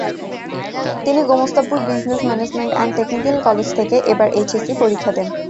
তিনি Gomastapur business management and technical college থেকে এবার এইচএসসি পরীক্ষা দেন।